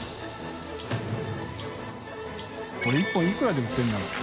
海譯泳いくらで売ってるんだろう？